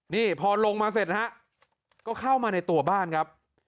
นี่พอลงมาเสร็จนะฮะก็เข้ามาในตัวบ้านครับ